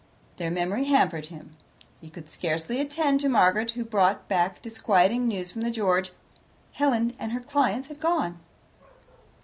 Their memory hampered him. He could scarcely attend to Margaret who brought back disquieting news from the George. Helen and her clients had gone.